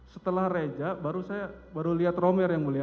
setelah reja baru saya baru lihat romel ya mulia